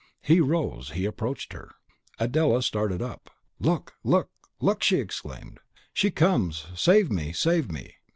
He rose, he approached her. Adela started up, "look look look!" she exclaimed. "She comes! Save me, save me!"